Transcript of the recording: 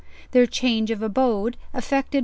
Their change of abode effected